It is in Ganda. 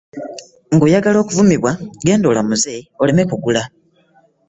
Ng'oyagala okuvumibwa, genda olamuze oleme kugula